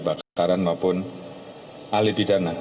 baik ahli kebakaran maupun ahli bidana